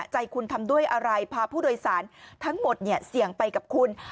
ใจคุณทำด้วยอะไรพาผู้โดยสารทั้งหมดเสี่ยงไปกับคุณ